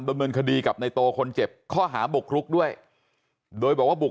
ดำเนินคดีกับในโตคนเจ็บข้อหาบุกรุกด้วยโดยบอกว่าบุก